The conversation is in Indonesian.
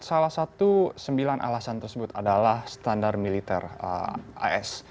salah satu sembilan alasan tersebut adalah standar militer as